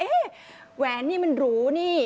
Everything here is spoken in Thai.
แหวนนี่มันหรูนี่